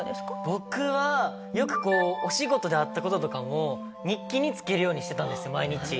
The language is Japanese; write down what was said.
僕はよくこうお仕事であった事とかも日記につけるようにしてたんです毎日。